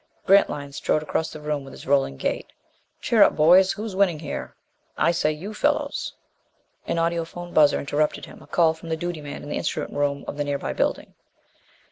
Grantline strode across the room with his rolling gait. "Cheer up, boys. Who's winning there? I say, you fellows " An audiphone buzzer interrupted him, a call from the duty man in the instrument room of the nearby building.